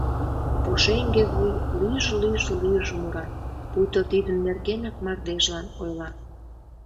Пушеҥге вуй лӱж-лӱж-лӱж мура, пуйто тидын нергенак мардежлан ойла.